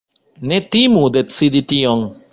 Ne timu decidi tion!